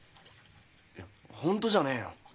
いや本当じゃねえよ。